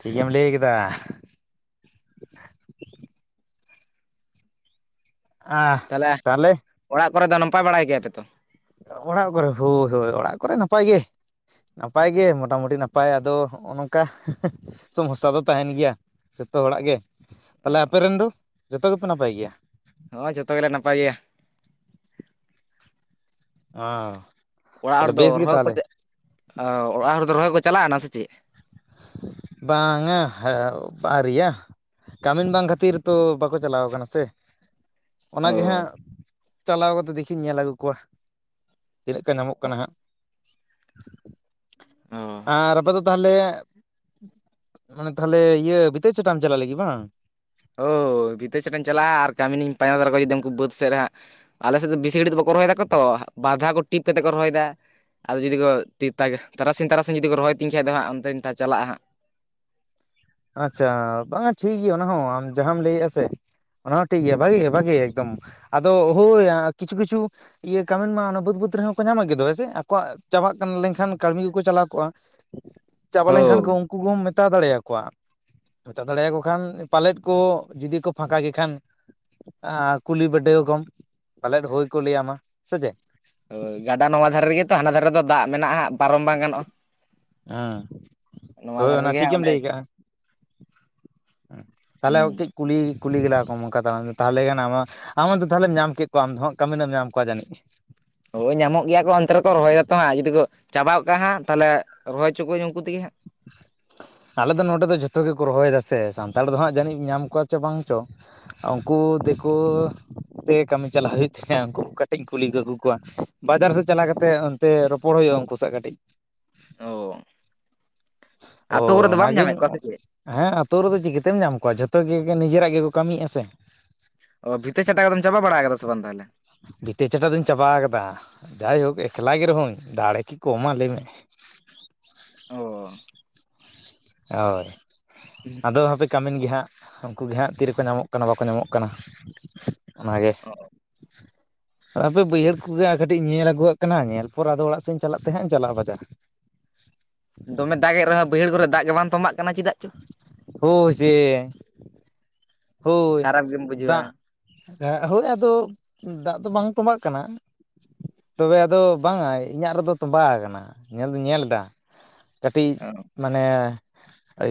ᱴᱷᱤᱠᱮᱢ ᱞᱟᱹᱭ ᱠᱮᱫᱟ ᱟᱦ ᱛᱟᱦᱚᱞᱮ ᱛᱟᱦᱞᱮ ᱚᱲᱟᱜ ᱠᱚᱨᱮ ᱫᱚ ᱱᱟᱯᱟᱭ ᱵᱟᱲᱟᱭ ᱜᱮᱭᱟᱭ ᱯᱮ ᱛᱚ? ᱚᱲᱟᱜ ᱠᱚᱨᱮ, ᱦᱳᱭ ᱦᱳᱭ ᱚᱲᱟᱜ ᱠᱚᱨᱮ ᱱᱟᱯᱟᱭ ᱜᱮ ᱾ ᱱᱟᱯᱟᱭ ᱜᱮ ᱢᱚᱴᱟᱢᱩᱴᱤ ᱱᱟᱯᱟᱭ ᱟᱫᱚ ᱦᱚᱸᱜᱼᱚ ᱱᱚᱝᱠᱟ᱾ ᱥᱚᱢᱚᱥᱥᱟ ᱫᱚ ᱛᱟᱦᱮᱸᱱ ᱜᱮᱭᱟ, ᱡᱚᱛᱚ ᱦᱚᱲᱟᱜ ᱜᱮ᱾ ᱛᱟᱦᱞᱮ ᱟᱯᱮ ᱨᱮᱱ ᱫᱚ ᱡᱚᱛᱚ ᱜᱮᱯᱮ ᱱᱟᱯᱟᱭ ᱜᱮᱭᱟ? ᱦᱚᱸ ᱡᱚᱛᱚ ᱜᱮᱞᱮ ᱱᱟᱯᱟᱭ ᱜᱮᱭᱟ ᱚᱸᱻ ᱚᱲᱟᱜ ᱦᱚᱲ ᱫᱚ ᱨᱚᱦᱚᱭ ᱠᱚ ᱪᱟ ᱟᱻ ᱚᱲᱟᱜ ᱦᱚᱲ ᱫᱚ ᱨᱚᱦᱚᱭ ᱠᱚ ᱪᱟᱞᱟᱜ ᱮᱱᱟ ᱥᱮ ᱪᱮᱫ? ᱵᱟᱝ‌-ᱟ [unintelligible] ᱟᱹᱣᱨᱤᱭᱟ ᱠᱟᱹᱢᱤᱱ ᱵᱟᱝ ᱠᱷᱟᱹᱛᱤᱨ ᱛᱚ ᱵᱟᱠᱚ ᱪᱟᱞᱟᱣ ᱠᱟᱱᱟ ᱥᱮ ᱾ ᱚᱱᱟᱜᱮ ᱚ ᱦᱟᱸᱜ ᱪᱟᱞᱟᱣ ᱠᱟᱛᱮᱫ ᱫᱮᱠᱷᱤᱧ ᱧᱮᱞ ᱟᱹᱜᱩ ᱠᱚᱣᱟ ᱛᱤᱱᱟᱹᱜ ᱠᱚ ᱧᱟᱢᱚᱜ ᱠᱟᱱᱟ ᱦᱟᱸᱜ ᱚ ᱾ ᱟᱨ ᱟᱯᱮ ᱫᱚ ᱛᱟᱦᱚᱸᱞᱮ ᱢᱟᱱᱮ ᱛᱟᱦᱚᱸᱞᱮ ᱤᱭᱟᱹ ᱵᱷᱤᱛᱟᱹ ᱪᱷᱟᱴᱟᱣ ᱮᱢ ᱪᱟᱞᱟᱜ ᱞᱟᱹᱜᱤᱫ ᱵᱟᱝ᱾ ᱦᱳᱭ ᱵᱷᱤᱛᱟᱹ ᱪᱷᱟᱴᱟᱧ ᱪᱟᱞᱟᱜᱼᱟ ᱟᱨ ᱠᱟᱹᱢᱤᱱᱤᱧ ᱯᱟᱸᱡᱟ ᱛᱟᱨᱟ ᱠᱚᱣᱟ ᱡᱩᱫᱤ ᱩᱝᱠᱩ ᱵᱟᱹᱫᱽ ᱥᱮᱜ ᱨᱮ ᱦᱟᱸᱜ ᱟᱞᱮ ᱥᱮᱫ ᱫᱚ ᱵᱤᱥᱤ ᱜᱷᱟᱹᱲᱤᱡ ᱫᱚ ᱵᱟᱠᱚ ᱨᱚᱦᱚᱭᱮᱫᱟ ᱠᱚ ᱛᱚ᱾ᱵᱟᱨ ᱫᱷᱟᱣ ᱠᱚ ᱴᱤᱯ ᱠᱟᱛᱮ ᱠᱚ ᱨᱚᱦᱚᱭᱮᱫᱟ ᱾ ᱟᱨ ᱡᱩᱫᱤ ᱠᱚ [unintelligible] ᱛᱟᱜᱮ ᱛᱟᱨᱟᱥᱤᱧ ᱛᱟᱨᱟᱥᱤᱧ ᱡᱩᱫᱤ ᱠᱚ ᱨᱚᱦᱚᱭ ᱛᱤᱧ ᱠᱷᱟᱡ ᱫᱚ ᱦᱟᱸᱜ, ᱚᱱᱛᱮᱧ ᱪᱟᱞᱟᱜᱼᱟ ᱦᱟᱸᱜ᱾ ᱟᱪᱪᱷᱟ ᱵᱟᱝᱟ ᱴᱷᱤᱠ ᱜᱮᱭᱟ ᱚᱱᱟ ᱦᱚᱸ, ᱟᱢ ᱡᱟᱦᱟᱸᱢ ᱞᱟᱹᱭᱮᱜ-ᱟ ᱥᱮ, ᱚᱱᱟ ᱦᱚᱸ ᱴᱷᱤᱠ ᱜᱮᱭᱟ, ᱵᱷᱟᱹᱜᱤ ᱜᱮ ᱵᱷᱟᱹᱜᱤ ᱜᱮ ᱮᱠᱫᱚᱢ ᱟᱫᱚ ᱦᱳᱭ ᱠᱤᱪᱷᱩ ᱠᱤᱪᱷᱩ ᱤᱭᱟᱹ ᱠᱟᱹᱢᱤᱱ ᱢᱟ ᱚᱱᱟ ᱵᱟᱹᱫᱽ ᱵᱟᱹᱫᱽ ᱨᱮᱦᱚᱸ ᱠᱚ ᱧᱟᱢᱚᱜ ᱜᱮᱫᱚ ᱦᱮᱸ ᱥᱮ? ᱟᱠᱚᱣᱟᱜ ᱪᱟᱵᱟᱜ ᱠᱟᱱ, ᱞᱮᱝᱠᱷᱟᱱ ᱠᱟᱲᱢᱤ ᱜᱮᱠᱚ ᱪᱟᱞᱟᱣ ᱠᱚᱜ-ᱟ ᱾ ᱪᱟᱵᱟ ᱞᱮᱱᱠᱷᱟᱱ ᱦᱳᱭ ᱠᱚ, ᱩᱱᱠᱩ ᱠᱚᱢ ᱢᱮᱛᱟ ᱫᱟᱲᱮᱭᱟᱠᱚᱣᱟ᱾ ᱦᱟᱛᱟᱣ ᱫᱟᱲᱮᱭᱟᱠᱚ ᱠᱷᱟᱱ ᱯᱟᱞᱮᱫ ᱠᱚ ᱡᱩᱫᱤ ᱠᱚ ᱯᱷᱟᱸᱠᱟ ᱜᱮ ᱠᱷᱟᱱ, ᱟᱻ ᱠᱩᱞᱤ ᱵᱤᱰᱟᱹᱣ ᱠᱚᱢ ᱯᱟᱞᱮᱫ ᱦᱳᱭ ᱠᱚ ᱞᱟᱹᱭᱟᱢᱟ ᱥᱮ ᱪᱮᱫ᱾ ᱦᱳᱭ ᱜᱟᱰᱟ ᱱᱚᱣᱟ ᱫᱷᱟᱨᱮ ᱨᱮᱜᱮ ᱛᱚ ᱦᱟᱱᱟ ᱫᱷᱟᱨᱮ ᱨᱮᱫᱚ ᱫᱟᱜ ᱢᱮᱱᱟᱜᱼᱟ ᱦᱟᱸᱜ ᱯᱟᱨᱚᱢ ᱵᱟᱝ ᱜᱟᱱᱚᱜᱼᱟ ᱾ ᱦᱮᱸ [unintelligible] ᱦᱳᱭ ᱫᱷᱟᱨᱮ ᱚᱱᱟ ᱨᱮᱜᱮ ᱦᱟᱸᱜ ᱴᱷᱤᱠᱮᱢ ᱚᱸᱰᱮ ᱞᱟᱹᱭ ᱠᱟᱜᱼᱟ᱾ ᱛᱟᱦᱚᱞᱮ ᱦᱩᱸ [unintelligible] ᱠᱩᱞᱤ ᱠᱩᱞᱤ ᱜᱮᱞᱟ ᱠᱚᱢ ᱱᱚᱝᱠᱟ ᱫᱟᱬᱟᱱ [inaudible] ᱛᱟᱦᱚᱞᱮ ᱠᱷᱟᱱ ᱟᱢᱟᱜ ᱟᱢ ᱟᱫᱚ ᱛᱟᱦᱚᱸᱞᱮ ᱧᱟᱢ ᱠᱮᱫ ᱠᱚᱣᱟ ᱟᱢ ᱫᱚ ᱦᱟᱸᱜ ᱠᱟᱹᱢᱤ ᱱᱮᱢ ᱧᱟᱢ ᱠᱚᱣᱟ ᱡᱟᱹᱱᱤᱡᱽ᱾ ᱦᱳᱭ ᱧᱟᱢᱚᱜ ᱜᱮᱭᱟ ᱠᱚ ᱚᱱᱛᱮ ᱨᱮᱠᱚ ᱨᱚᱦᱚᱭᱮᱫᱟ ᱛᱚ ᱦᱟᱸᱜ ᱡᱩᱫᱤ ᱠᱚ ᱪᱟᱵᱟ ᱜᱚᱫ ᱠᱟᱜ ᱦᱟᱸᱜ, ᱛᱟᱦᱚᱞᱮ ᱨᱚᱦᱚᱭ ᱦᱚᱪᱚ ᱠᱩᱣᱟᱹᱧ ᱩᱝᱠᱩ ᱛᱮᱜᱮ ᱦᱟᱸᱜ ᱾ ᱟᱞᱮ ᱫᱚ ᱱᱚᱸᱰᱮ ᱫᱚ ᱡᱷᱚᱛᱚ ᱜᱮᱠᱚ ᱨᱚᱦᱚᱭ ᱮᱫᱟ ᱥᱮ, ᱥᱟᱱᱛᱟᱞ ᱠᱚᱫᱚ ᱦᱟᱸᱜ ᱡᱟᱹᱱᱤᱡ ᱧᱟᱢ ᱠᱚᱣᱟ ᱪᱚ ᱵᱟᱝ ᱪᱚ᱾ ᱩᱝᱠᱩ ᱫᱤᱠᱩ ᱛᱮ ᱜᱮ ᱠᱟᱹᱢᱤ ᱪᱟᱞᱟᱜ ᱦᱩᱭᱩᱜ ᱦᱮᱸ ᱩᱱᱠᱩ ᱠᱟᱹᱴᱤᱡ ᱤᱧ ᱠᱩᱞᱤ ᱜᱟᱜᱩ ᱠᱚᱣᱟ, ᱵᱟᱡᱟᱨ ᱥᱮᱫ ᱪᱟᱞᱟᱣ ᱠᱟᱛᱮ ᱚᱱᱛᱮ ᱨᱚᱯᱚᱲ ᱦᱳᱭᱳᱜ-ᱟ ᱩᱱᱠᱩ ᱥᱟᱜ ᱠᱟᱹᱴᱤᱡ᱾ ᱳ, ᱦᱳᱭ ᱚᱱᱟ ᱜᱤᱧ ᱧᱟᱢᱮᱫ ᱠᱚᱣᱟ ᱥᱮ ᱪᱮᱫ ᱦᱮᱸ ᱟᱹᱛᱩ ᱨᱮᱫᱚ ᱪᱤᱠᱟᱹᱛᱮᱢ ᱧᱟᱢ ᱠᱚᱣᱟ ᱾ ᱡᱷᱚᱛᱚ ᱜᱮ ᱱᱤᱡᱮᱨᱟᱜ ᱜᱮᱠᱚ ᱠᱟᱹᱢᱤᱭᱮᱜᱼᱟ ᱥᱮ ᱾ ᱳ ᱵᱷᱤᱛᱟᱹ ᱪᱟᱴᱟ ᱠᱚᱫᱚᱢ ᱪᱟᱵᱟ ᱵᱟᱲᱟ ᱟᱠᱟᱫᱟ ᱥᱮ ᱵᱟᱝ ᱛᱟᱦᱚᱞᱮ? ᱵᱷᱤᱛᱟᱹ ᱪᱷᱟᱴᱟ ᱫᱩᱧ ᱪᱟᱵᱟ ᱟᱠᱟᱫᱟ ᱡᱟᱭᱦᱳᱠ ᱮᱠᱞᱟ ᱜᱮ ᱨᱮᱦᱚᱧ ᱫᱟᱲᱮ ᱠᱤ ᱠᱚᱢᱟ ᱞᱟᱹᱭ ᱢᱮ ᱳᱻ ᱦᱳᱭ ᱟᱫᱚ ᱦᱟᱯᱮ ᱠᱟᱹᱢᱤᱱ ᱜᱮ ᱦᱟᱸᱜ ᱾ ᱩᱱᱠᱩ ᱜᱮ ᱦᱟᱸᱜ ᱛᱤᱨᱮᱠᱚ ᱧᱟᱢᱚᱜ ᱠᱟᱱᱟ ᱵᱟᱠᱚ ᱧᱟᱢᱚᱜ ᱠᱟᱱᱟ ᱚᱱᱟᱜᱮ ᱾ ᱚ ᱦᱟᱯᱮ ᱵᱟᱹᱭᱦᱟᱹᱲ ᱠᱚᱜᱮ ᱦᱟᱸᱜ ᱠᱟᱹᱴᱤᱡ ᱤᱧ ᱧᱮᱞ ᱟᱹᱜᱩᱣᱟᱜ ᱠᱟᱱᱟ, ᱧᱮᱞ ᱯᱚᱨ ᱟᱫᱚ ᱚᱲᱟᱜ ᱥᱮᱫ ᱤᱧ ᱪᱟᱞᱟᱜ ᱛᱮᱦᱟᱸᱜ ᱤᱧ ᱪᱟᱞᱟᱜᱼᱟ ᱵᱟᱡᱟᱨ ᱾ [inaudible] ᱫᱚᱢᱮ ᱫᱟᱜᱮᱜ ᱨᱮᱦᱚᱸ ᱵᱟᱹᱭᱦᱟᱹᱲ ᱠᱚᱨᱮ ᱫᱟᱜ ᱜᱮ ᱵᱟᱝ ᱛᱚᱢᱵᱟᱜ ᱠᱟᱱᱟ ᱪᱮᱫᱟᱜ? ᱪᱚ ᱦᱳᱭ ᱥᱮ ᱾ ᱦᱳᱭ ᱠᱷᱟᱨᱟᱯ ᱜᱮᱢ ᱵᱩᱡᱷᱟᱹᱣᱟ ᱫᱟᱜ, ᱦᱳᱭ ᱟᱫᱚ ᱫᱟᱜ ᱫᱚ ᱵᱟᱝ ᱛᱚᱵᱟᱜ ᱠᱟᱱᱟ ᱾ ᱛᱚᱵᱮ ᱟᱫᱚ ᱵᱟᱝᱟ ᱤᱧᱟᱹᱜ ᱨᱮᱫᱚ ᱛᱚᱸᱵᱟ ᱟᱠᱟᱱᱟ ᱧᱮᱞ ᱫᱩᱸᱧ ᱧᱮᱞ ᱮᱫᱟ ᱠᱟᱹᱴᱤᱡ ᱢᱟᱱᱮ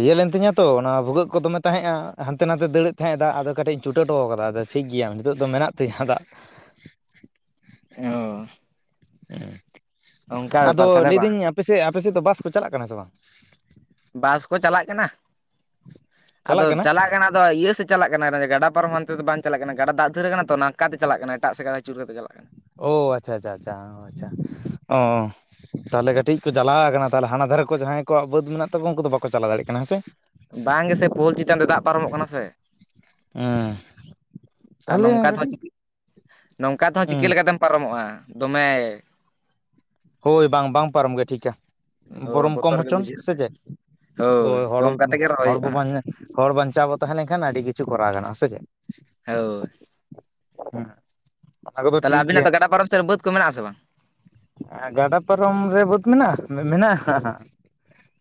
ᱤᱭᱟᱹ ᱞᱮᱱ ᱛᱤᱧᱟᱹ ᱛᱚ ᱚᱱᱟ ᱵᱷᱩᱜᱟᱹᱜ ᱠᱚ ᱫᱚᱢᱮ ᱛᱟᱦᱮᱸᱼᱟ ᱦᱟᱱᱛᱮ ᱱᱟᱸᱛᱮ ᱫᱟᱹᱲᱮᱫ ᱛᱟᱦᱮᱸᱜ-ᱟ ᱫᱟᱜ ᱟᱫᱚ ᱠᱟᱹᱴᱤᱡ ᱤᱧ ᱪᱩᱴᱟᱹ ᱚᱴᱚ ᱠᱟᱫᱟ ᱾ ᱴᱷᱤᱠ ᱜᱮᱭᱟ ᱱᱤᱸᱛᱳᱜ ᱫᱚ ᱢᱮᱱᱟᱜ ᱛᱤᱧᱟ ᱫᱟᱜ ᱾ ᱚ ᱾ ᱦᱮᱸ, ᱟᱫᱚ ᱵᱮᱯᱟᱨ ᱛᱟᱦᱚᱞᱮ ᱵᱟᱝ ᱞᱟᱹᱭᱫᱟᱹᱧ ᱟᱯᱮᱥᱮᱫ ᱟᱯᱮᱥᱮᱫ ᱫᱚ ᱵᱟᱥ ᱠᱚ ᱪᱟᱞᱟᱜ ᱠᱟᱱᱟ ᱥᱮ ᱵᱟᱝ? ᱵᱟᱥ ᱠᱚ ᱪᱟᱞᱟᱜ ᱠᱟᱱᱟ, ᱟᱫᱚ ᱪᱟᱞᱟᱜ ᱠᱟᱱᱟ ᱫᱚ ᱤᱭᱟᱹ ᱥᱮᱫ ᱪᱟᱞᱟᱜ ᱠᱟᱱᱟ, ᱜᱟᱰᱟ ᱯᱟᱨᱚᱢ ᱦᱟᱱᱛᱮ ᱫᱚ ᱵᱟᱝ ᱪᱟᱞᱟᱜ ᱠᱟᱱᱟ ᱜᱟᱰᱟ ᱫᱟᱜ ᱫᱷᱟᱹᱨ ᱠᱟᱱᱟ ᱛᱚ ᱱᱟᱝᱠᱟ ᱛᱮ ᱪᱟᱞᱟᱜ ᱠᱟᱱᱟ ᱮᱴᱟᱜ ᱥᱮᱫ ᱟᱹᱪᱩᱨ ᱠᱟᱛᱮ ᱪᱟᱞᱟᱜ ᱠᱟᱱᱟ ᱾ ᱚ ᱟᱪᱪᱷᱟ ᱟᱪᱪᱷᱟ ᱟᱪᱪᱷᱟ ᱟᱪᱪᱷᱟ, ᱚᱸ᱾ ᱛᱟᱦᱚᱞᱮ ᱠᱟᱹᱴᱤᱡ ᱠᱚ ᱡᱟᱞᱟᱣ ᱠᱟᱱᱟ ᱛᱟᱦᱚᱞᱮ ᱦᱟᱱᱟ ᱫᱷᱟᱨᱮ ᱠᱚ ᱡᱟᱦᱟᱸᱭ ᱠᱚᱣᱟᱜ ᱵᱟᱹᱫᱽ ᱢᱮᱱᱟᱜ ᱛᱟᱠᱚᱣᱟ ᱩᱱᱠᱩ ᱫᱚ ᱵᱟᱠᱚ ᱪᱟᱞᱟᱣ ᱫᱟᱲᱮᱜ ᱠᱟᱱᱟ ᱦᱮᱸ ᱥᱮ? ᱵᱟᱝ ᱜᱮᱥᱮ ᱯᱳᱞ ᱪᱮᱛᱟᱸᱱ ᱛᱮ ᱫᱟᱜ ᱯᱟᱨᱚᱢᱚᱜ ᱠᱟᱱᱟ ᱥᱮ ᱾ ᱦᱮᱸ ᱟᱨ ᱛᱟᱦᱚᱞᱮ ᱱᱚᱝᱠᱟ ᱛᱮᱦᱚ ᱠᱟᱹᱴᱤᱡ [unintelligible] ᱱᱚᱝᱠᱟ ᱛᱮᱦᱚᱸ ᱪᱤᱠᱟᱹ ᱦᱮᱸ ᱞᱮᱠᱟᱛᱮᱢ ᱯᱟᱨᱚᱢᱚᱜᱼᱟ? ᱫᱚᱢᱮ ᱦᱳᱭ, ᱵᱟᱝ ᱵᱟᱝ ᱯᱟᱨᱚᱢ ᱜᱮ ᱴᱷᱤᱠᱟ ᱾ ᱦᱳᱭ ᱵᱚᱨᱚᱢ ᱠᱚᱢ ᱵᱚᱛᱚᱨ ᱜᱮ ᱦᱚᱪᱚᱱ ᱵᱩᱡᱷᱟᱹᱜᱼᱟ ᱥᱮ ᱪᱮᱫ ᱦᱚᱲ ᱦᱳᱭ ᱦᱚᱲ ᱠᱚᱢ ᱠᱟᱛᱮ ᱜᱮ ᱨᱚᱦᱚᱭ ᱠᱚᱵᱚ ᱦᱩᱭᱩᱜᱼᱟ ᱵᱟᱝ ᱦᱚᱲ ᱵᱟᱧᱪᱟᱣ ᱵᱚ ᱛᱟᱦᱮᱸ ᱞᱮᱱᱠᱷᱟᱱ ᱟᱹᱰᱤ ᱠᱤᱪᱷᱩ ᱠᱚᱨᱟᱣ ᱜᱟᱱᱚᱜᱼᱟ ᱥᱮ ᱪᱮᱫ? ᱦᱳ ᱾ ᱦᱩᱸ ᱛᱟᱦᱚᱞᱮ ᱟᱵᱤᱱᱟᱸᱜ ᱫᱚ ᱜᱟᱰᱟ ᱯᱟᱨᱚᱢ ᱥᱮᱫ ᱨᱮ ᱵᱟᱹᱫᱽ ᱠᱚ ᱢᱮᱱᱟᱜᱼᱟ ᱥᱮ ᱵᱟᱝ? ᱜᱟᱰᱟ ᱯᱟᱨᱚᱢ ᱨᱮ ᱵᱟᱹᱫᱽ ᱢᱮᱱᱟᱜᱼᱟ ᱢᱮᱱᱟᱜᱼᱟ ᱦᱟᱸᱜ᱾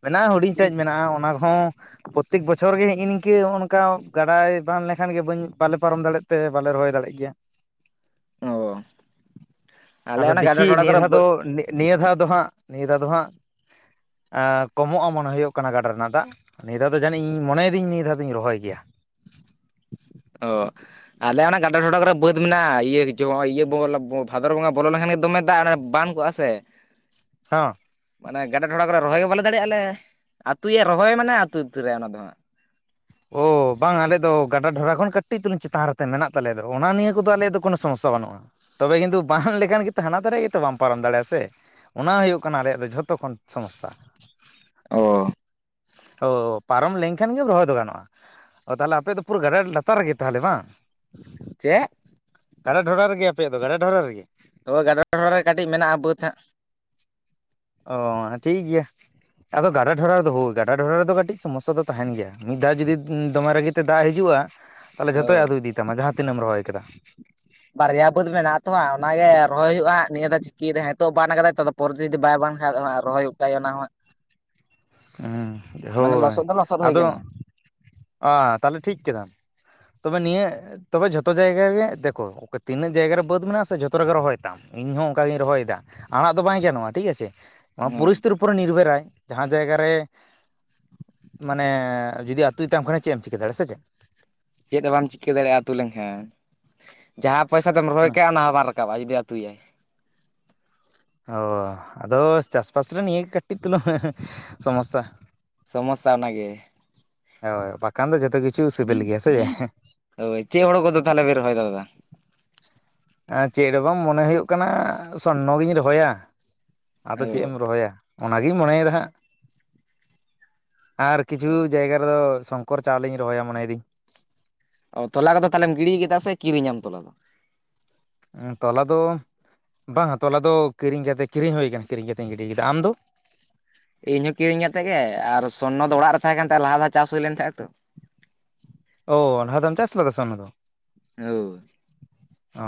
ᱢᱮᱱᱟᱜᱼᱟ ᱦᱩᱰᱤᱸᱧ ᱥᱟᱹᱦᱤᱡ ᱢᱮᱱᱟᱜᱼᱟ ᱚᱱᱟ ᱠᱚᱦᱚᱸ ᱯᱨᱚᱛᱮᱠ ᱵᱚᱪᱷᱚᱨ ᱜᱮ ᱦᱤᱜ-ᱤ ᱱᱤᱝᱠᱟᱹ ᱱᱚᱜ ᱱᱚᱠᱟ ᱜᱟᱰᱟᱭ ᱵᱟᱱ ᱞᱮᱠᱷᱟᱱ ᱜᱮ ᱵᱟᱹᱧ ᱵᱟᱞᱮ ᱯᱟᱨᱚᱢ ᱫᱟᱲᱮᱭᱟᱜᱼᱟ᱾ ᱛᱮ ᱵᱟᱞᱮ ᱨᱚᱦᱚᱭ ᱫᱟᱲᱮᱜ ᱜᱮᱭᱟ ᱚ ᱟᱞᱮ ᱟᱫᱚ ᱚᱱᱟ ᱫᱮᱠᱷᱤ ᱜᱟᱰᱟ ᱰᱷᱚᱰᱟ ᱱᱤᱭᱟᱹ ᱠᱚᱨᱮ ᱫᱷᱟᱣ ᱵᱟᱹᱫᱽ ᱱᱚᱜ ᱱᱤᱜ ᱱᱤᱭᱟᱹ ᱫᱷᱟᱣ ᱫᱚ ᱦᱟᱸᱜ ᱱᱤᱭᱟᱹ ᱫᱷᱟᱣ ᱫᱚ ᱦᱟᱸᱜ ᱟᱸ ᱠᱚᱢᱚᱜᱼᱟ ᱢᱚᱱᱮ ᱦᱩᱭᱩᱜ ᱠᱟᱱᱟ ᱜᱟᱰᱟ ᱨᱮᱱᱟᱜ ᱫᱟᱜ᱾ ᱱᱤᱭᱟᱹ ᱫᱷᱟᱣ ᱫᱚ ᱡᱟᱹᱱᱤᱡ ᱤᱧ ᱢᱚᱱᱮᱭᱮᱫᱟᱹᱧ ᱱᱤᱭᱟᱹ ᱫᱷᱟᱣ ᱫᱚᱸᱧ ᱨᱚᱦᱚᱭ ᱜᱮᱭᱟ᱾ ᱚᱻ ᱟᱞᱮ ᱚᱱᱟ ᱜᱟᱰᱟ ᱴᱚᱰᱟ ᱠᱚᱨᱮ ᱵᱟᱹᱫᱽ ᱢᱮᱱᱟᱜᱼᱟ ᱤᱭᱟᱹᱪᱳ ᱤᱭᱟᱹ ᱵᱚᱸ ᱵᱷᱟᱫᱚᱨ ᱵᱚᱸᱜᱟ ᱵᱚᱞᱚ ᱞᱮᱱᱠᱷᱟᱱ ᱜᱮ ᱫᱚᱢᱮ ᱫᱟᱜ ᱾ ᱵᱟᱱ ᱠᱚᱜᱼᱟ ᱥᱮ ᱦᱚᱸᱻ ᱢᱟᱱᱮ ᱜᱟᱰᱟ ᱰᱷᱚᱲᱟ ᱠᱚᱨᱮ ᱨᱚᱦᱚᱭ ᱜᱮ ᱵᱟᱞᱮ ᱫᱟᱲᱮᱭᱟᱜᱼᱟᱞᱮ ᱟᱹᱛᱩᱭᱟ ᱨᱚᱦᱚᱭ ᱢᱟᱱᱮ ᱟᱹᱛᱩ ᱩᱛᱟᱹᱨᱟ ᱚᱱᱟ ᱫᱚ ᱦᱟᱸᱜ ᱚᱻ ᱵᱟᱝ ᱟᱞᱮ ᱫᱚ ᱜᱟᱰᱟ ᱰᱷᱚᱰᱟ ᱠᱷᱚᱱ ᱠᱟᱹᱴᱤᱡ ᱛᱩᱞᱩᱸᱝ ᱪᱮᱛᱟᱱ ᱨᱮᱛᱮ ᱢᱮᱱᱟᱜ ᱛᱟᱞᱮᱭᱟ ᱫᱚ ᱚᱱᱟ ᱱᱤᱭᱟᱹ ᱠᱚᱫᱚ ᱟᱞᱮ ᱫᱚ ᱠᱚᱱᱳ ᱥᱚᱢᱚᱥᱥᱟ ᱵᱟᱹᱱᱩᱜᱼᱟ᱾ ᱛᱚᱵᱮ ᱠᱤᱸᱱᱛᱩ ᱵᱟᱱ ᱞᱮᱠᱟᱱ ᱜᱮᱛᱚ ᱦᱟᱱᱟ ᱫᱷᱟᱨᱮ ᱜᱮᱛᱚ ᱵᱟᱢ ᱯᱟᱨᱚᱢ ᱫᱟᱲᱮᱭᱟᱜᱼᱟ ᱥᱮ᱾ ᱚᱱᱟ ᱦᱩᱭᱩᱜ ᱠᱟᱱᱟ ᱟᱞᱮᱭᱟᱜ ᱫᱚ ᱡᱷᱚᱛᱚ ᱠᱷᱚᱱ ᱥᱚᱢᱚᱥᱥᱟ᱾ ᱚᱻ ᱚ ᱯᱟᱨᱚᱢ ᱞᱮᱱᱠᱷᱟᱱ ᱜᱮᱢ ᱨᱚᱦᱚᱭ ᱫᱚ ᱜᱟᱱᱚᱜᱼᱟ᱾ ᱚ ᱛᱟᱦᱚᱞᱮ ᱟᱯᱮ ᱫᱚ ᱯᱩᱨᱟᱹ ᱜᱟᱰᱟ ᱞᱟᱛᱟᱨ ᱨᱮᱜᱮ ᱛᱟᱦᱚᱞᱮ ᱵᱟᱝ? ᱪᱮᱫ? ᱜᱟᱰᱟ ᱰᱷᱚᱰᱟ ᱨᱮᱜᱮ ᱟᱯᱮᱭᱟᱜ ᱫᱚ ᱜᱟᱰᱟ ᱰᱷᱚᱰᱟ ᱨᱮᱜᱮ? ᱦᱚᱭ ᱜᱟᱰᱟ ᱰᱚᱰᱷᱟ ᱨᱮ ᱠᱟᱹᱴᱤᱡ ᱢᱮᱱᱟᱜᱼᱟ ᱵᱟᱹᱫᱽ ᱦᱟᱸᱜ᱾ ᱚᱻ ᱴᱷᱤᱠ ᱜᱮᱭᱟ ᱟᱫᱚ ᱜᱟᱰᱟ ᱰᱷᱚᱰᱟ ᱨᱮᱫᱚ ᱦᱳᱭ ᱜᱟᱰᱟ ᱰᱷᱚᱰᱟ ᱨᱮᱫᱚ ᱠᱟᱹᱴᱤᱡ ᱥᱚᱢᱚᱥᱟ ᱫᱚ ᱛᱟᱦᱮᱱ ᱜᱮᱭᱟ ᱢᱤᱫ ᱫᱷᱟᱣ ᱡᱩᱫᱤ ᱫᱚᱢᱮ ᱨᱟᱹᱜᱤ ᱛᱮ ᱫᱟᱜ ᱦᱤᱡᱩᱜᱼᱟ ᱛᱟᱦᱚᱞᱮ ᱡᱚᱛᱚᱭ ᱦᱳᱭ ᱟᱹᱛᱩ ᱤᱫᱤᱭᱟ᱾ ᱛᱟᱢᱟ ᱡᱟᱦᱟᱸ ᱛᱤᱱᱟᱹᱜ ᱮᱢ ᱨᱚᱦᱚᱭ ᱠᱟᱫᱟ᱾ ᱵᱟᱨᱭᱟ ᱵᱟᱹᱫᱽ ᱢᱮᱱᱟᱜ ᱦᱟᱛᱚ ᱦᱟᱸᱜ ᱚᱱᱟᱜᱮ ᱨᱚᱦᱚᱭ ᱦᱩᱭᱩᱜᱼᱟ ᱱᱤᱭᱟᱹ ᱫᱷᱟᱣ ᱪᱤᱠᱤ ᱫᱟᱭ ᱦᱮᱸᱛᱚᱜ ᱵᱟᱱ ᱟᱠᱟᱫᱟᱭ᱾ ᱯᱚᱨᱮᱛᱮ ᱡᱩᱫᱤ ᱵᱟᱭ ᱵᱟᱱ ᱠᱷᱟᱭ ᱫᱚ ᱦᱟᱸᱜ ᱨᱚᱦᱚᱭ ᱦᱚᱸ ᱠᱟᱜ ᱦᱩᱭᱩᱜᱼᱟ ᱚᱱᱟ ᱦᱚᱸ᱾ ᱢᱟᱱᱮ ᱦᱳᱭ ᱞᱚᱥᱚᱫ ᱫᱚ ᱞᱚᱥᱚᱫ ᱦᱩᱭ ᱟᱫᱚ ᱟᱸ ᱠᱟᱱᱟ ᱛᱟᱦᱞᱮ ᱴᱷᱤᱠ ᱠᱮᱫᱟᱢ᱾ ᱛᱚᱵᱮ ᱱᱤᱭᱟᱹ᱾ ᱛᱚᱵᱮ ᱡᱚᱛᱚ ᱡᱟᱭᱜᱟ ᱨᱮᱜᱮ ᱫᱮᱠᱚ ᱛᱤᱱᱟᱹᱜ ᱡᱟᱭᱜᱟ ᱨᱮ ᱵᱟᱹᱫᱽ ᱢᱮᱱᱟᱜᱼᱟ ᱥᱮ ᱡᱚᱛᱚ ᱨᱮᱜᱮ ᱨᱚᱦᱚᱭ ᱛᱟᱢ᱾ ᱤᱧ ᱦᱚᱸ ᱚᱱᱠᱟᱜᱤᱧ ᱨᱚᱦᱚᱭᱫᱟ ᱟᱲᱟᱜ ᱫᱚ ᱵᱟᱭ ᱜᱟᱱᱚᱜᱼᱟ ᱴᱷᱤᱠ ᱟᱪᱷᱮ ᱦᱳᱭ ᱯᱚᱨᱤᱥᱛᱷᱤᱛᱤ ᱩᱯᱚᱨᱮ ᱱᱤᱨᱵᱷᱚᱨᱟᱭ ᱡᱟᱦᱟᱸ᱾ ᱡᱟᱭᱜᱟ ᱨᱮ ᱢᱟᱱᱮ ᱡᱩᱫᱤ ᱟᱛᱳᱭᱛᱟᱢ ᱠᱷᱟᱱ ᱪᱮᱫ ᱮᱢ ᱪᱤᱠᱟᱹ ᱫᱟᱲᱮᱭᱟᱜᱼᱟ ᱥᱮ ᱪᱮᱫ? ᱪᱮᱫ ᱦᱚᱸ ᱵᱟᱢ ᱪᱤᱠᱟᱹ ᱫᱟᱲᱮᱭᱟᱜᱼᱟ ᱟᱹᱛᱩ ᱞᱮᱱᱠᱷᱟᱱ ᱡᱟᱦᱟᱸ ᱯᱚᱭᱥᱟ ᱛᱮᱢ ᱨᱚᱦᱚᱭ ᱦᱮᱸ ᱠᱟᱜᱼᱟ ᱚᱱᱟ ᱦᱚᱸ ᱵᱟᱢ ᱨᱟ.. ᱠᱟᱵᱼᱟ ᱡᱩᱫᱤ ᱟ. ᱛᱩᱭᱟᱭ᱾ ᱚᱸ ᱟᱫᱚ ᱪᱟᱥᱵᱟᱥ ᱨᱮ ᱱᱤᱭᱟᱹ ᱜᱮ ᱠᱟᱹᱴᱤᱡ ᱛᱩᱞᱩᱝ ᱥᱚᱢᱚᱥᱟ᱾ ᱥᱚᱢᱚᱥᱟ ᱚᱱᱟᱜᱮ᱾ ᱦᱳᱭ ᱵᱟᱠᱷᱟᱱ ᱫᱚ ᱡᱚᱛᱚ ᱜᱤ᱾ ᱦᱳᱭ ᱪᱮᱫ ᱦᱳᱲᱳ ᱠᱚᱫᱚ ᱛᱟᱦᱚᱞᱮ ᱵᱮᱱ ᱨᱚᱦᱚᱭ ᱫᱟ ᱫᱟᱫᱟ? ᱪᱮᱫ ᱨᱮ ᱵᱟᱝ ᱢᱚᱱᱮ ᱦᱩᱭᱩᱜ ᱠᱟᱱᱟ ᱥᱚᱨᱱᱚ ᱜᱤᱧ ᱨᱚᱦᱚᱭᱟ ᱟᱫᱚ ᱪᱮᱫ ᱮᱢ ᱨᱚᱦᱚᱭᱟ᱾ ᱚᱱᱟᱜᱤᱧ ᱢᱚᱱᱮᱭ-ᱫᱟ ᱦᱟᱸᱜ ᱟᱨ ᱠᱤᱪᱷᱩ ᱡᱟᱭᱜᱟ ᱨᱮᱫᱚ ᱥᱚ ᱠᱚᱨ ᱪᱟᱣᱞᱮᱧ ᱨᱚᱦᱚᱭᱟ ᱢᱚᱱᱮᱭ ᱫᱟ. ᱧ᱾ ᱚᱸ ᱛᱚᱞᱟ ᱠᱚᱫᱚ ᱛᱟᱦᱚᱞᱮ ᱜᱤᱲᱤ ᱠᱮᱫᱟ ᱥᱮ ᱠᱤᱨᱤᱧᱟᱢ ᱛᱚᱞᱟ ᱫᱚ? ᱛᱚᱞᱟ ᱫᱚ ᱵᱟᱝᱼᱟ ᱛᱚᱞᱟ ᱫᱚ ᱠᱤᱨᱤᱧ ᱠᱟᱛᱮ ᱠᱤᱨᱤᱧ ᱦᱩᱭ ᱟᱠᱟᱱᱟ ᱠᱤᱨᱤᱧ ᱠᱟᱛᱮᱧ ᱜᱤᱰᱤ ᱠᱮᱫᱟ ᱟᱢ ᱫᱚ? ᱤᱧᱦᱚᱸ ᱠᱤᱨᱤᱧ ᱠᱟᱛᱮ ᱜᱮ ᱟᱨ ᱥᱚᱨᱱᱚ ᱫᱚ ᱚᱲᱟᱜ ᱨᱮ ᱛᱟᱦᱮᱸ ᱠᱟᱱ ᱛᱮ ᱞᱟᱦᱟ ᱫᱷᱟᱣ ᱪᱟᱥ ᱦᱩᱭ ᱞᱮᱱ ᱛᱟᱦᱮᱸᱼᱟ ᱛᱚ᱾ ᱚᱸ ᱞᱟᱦᱟ ᱫᱷᱟᱢ ᱪᱟᱥ ᱞᱮᱫᱟ ᱥᱚᱨᱱᱚ ᱫᱚ? ᱦᱳᱭ᱾ ᱚ